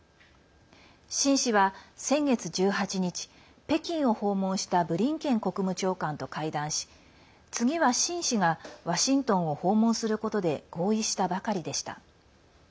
秦氏は先月１８日北京を訪問したブリンケン国務長官と会談し次は秦氏がワシントンを訪問することで合意したばかりでした。